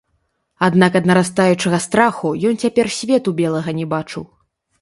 Аднак ад нарастаючага страху ён цяпер свету белага не бачыў.